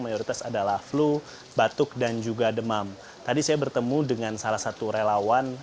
mayoritas adalah flu batuk dan juga demam tadi saya bertemu dengan salah satu relawan